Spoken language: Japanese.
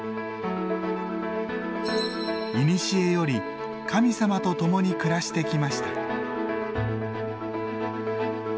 古より神様と共に暮らしてきました。